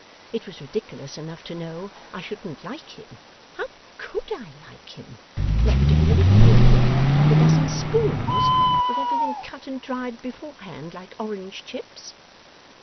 It was ridiculous enough to know I shouldn't like him how COULD I like him, left to him in a will, like a dozen of spoons, with everything cut and dried beforehand, like orange chips.